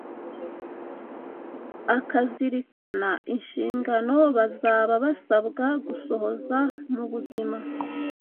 akazirikana inshingano bazaba basabwa gusohoza mu buzima,